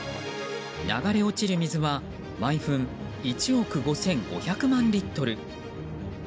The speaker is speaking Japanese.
流れ落ちる水は毎分１億５５００万リットル。